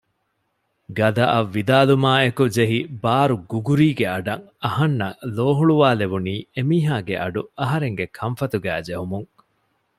ގަދައަށް ވިދާލުމާއެކު ޖެހި ބާރު ގުގުރީގެ އަޑަށް އަހަންނަށް ލޯހުޅުވާލެވުނީ އެމީހާގެ އަޑު އަހަރެންގެ ކަންފަތުގައި ޖެހުމުން